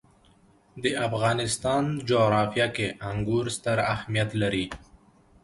د افغانستان جغرافیه کې انګور ستر اهمیت لري.